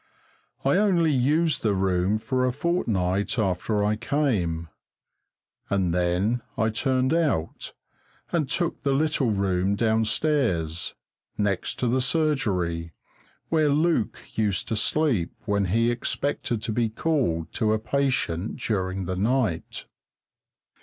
I only used the room for a fortnight after I came, and then I turned out and took the little room downstairs, next to the surgery, where Luke used to sleep when he expected to be called to a patient during the night.